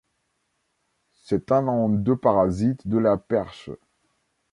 C'est un endoparasite de la perche.